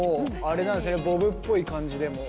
ボブっぽい感じでも。